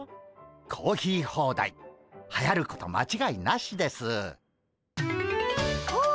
コーヒーホーダイはやること間違いなしです。